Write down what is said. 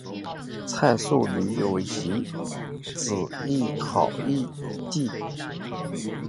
蔡素女有一姊蔡亦好及一弟蔡寿郎。